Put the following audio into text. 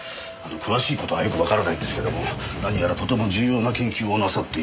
詳しい事はよくわからないんですけども何やらとても重要な研究をなさっていたようで。